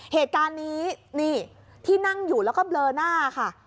เหตุการณ์นี้นี่ที่นั่งอยู่แล้วก็เบลอหน้าค่ะ